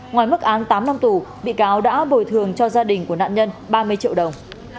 ngoài mức án tám năm tù bị cáo đã bồi thường cho gia đình của nạn nhân ba mươi triệu đồng